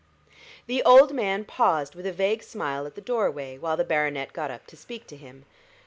The old man paused with a vague smile at the doorway while the baronet got up to speak to him.